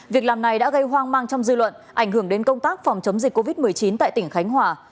việc làm này đã gây hoang mang trong dư luận ảnh hưởng đến công tác phòng chống dịch covid một mươi chín tại tỉnh khánh hòa